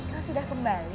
kau sudah kembali